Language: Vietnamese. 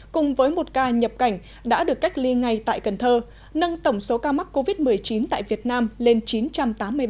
cùng với một ca nhập cảnh đã được cách ly ngay tại cần thơ nâng tổng số ca mắc covid một mươi chín tại việt nam lên chín trăm tám mươi ba ca